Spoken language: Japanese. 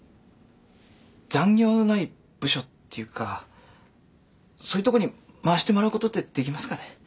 残業のない部署っていうかそういうとこに回してもらうことってできますかね。